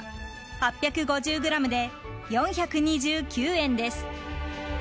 ８５０ｇで４２９円です。